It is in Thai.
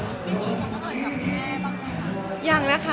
อย่างนี้คุณก็อยู่กับพี่แม่บ้างไหมคะ